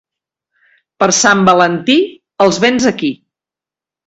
Per Sant Valentí, els vents aquí.